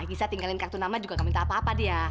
gisa tinggalin kartu nama juga nggak minta apa apa dia